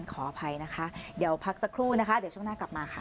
ขออภัยนะคะเดี๋ยวพักสักครู่นะคะเดี๋ยวช่วงหน้ากลับมาค่ะ